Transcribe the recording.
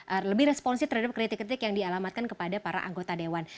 agar lebih responsif terhadap kritik kritik yang dialamatkan kepada para anggota dewan